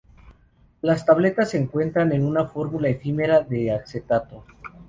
Las tabletas se encuentran en una fórmula efímera de acetato.